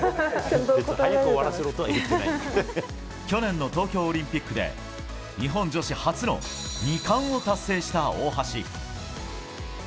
去年の東京オリンピックで日本女子初の２冠を達成した大橋。